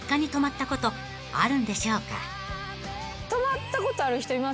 泊まったことある人います？